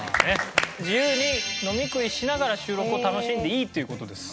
自由に飲み食いしながら収録を楽しんでいいという事です。